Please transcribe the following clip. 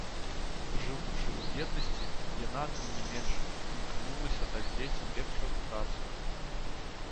Жывучы ў беднасці, яна, тым не менш, імкнулася даць дзецям лепшую адукацыю.